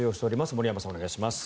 森山さん、お願いします。